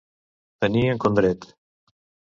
Tenir en condret.